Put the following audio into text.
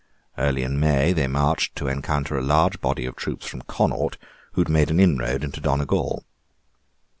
Early in May they marched to encounter a large body of troops from Connaught, who had made an inroad into Donegal.